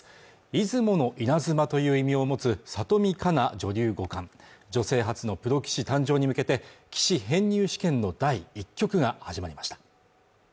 出雲のイナズマという意味を持つ里見香奈女流五冠女性初のプロ棋士誕生に向けて棋士編入試験の第１局が始まりました